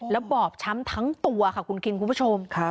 แล้วบอบช้ำทั้งตัวค่ะคุณคิงคุณผู้ชม